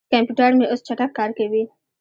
کمپیوټر مې اوس چټک کار کوي.